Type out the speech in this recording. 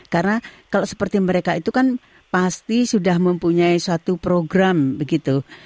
karena kalau seperti mereka itu kan pasti sudah mempunyai suatu program begitu